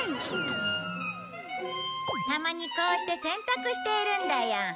たまにこうして洗濯しているんだよ。